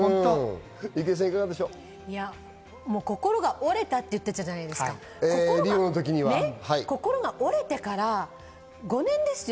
心が折れたと言っていたじゃないですか、心が折れてから５年ですよ。